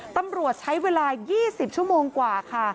ตำรวจใช้เวลา๒๐ชั่วโมงกว่าค่ะ